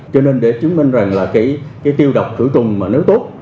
cho nên để chứng minh rằng là cái tiêu độc thử trùng nếu tốt